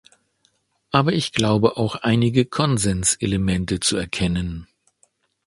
Aber ich glaube auch einige Konsenselemente zu erkennen.